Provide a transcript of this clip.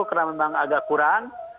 karena memang agak kurang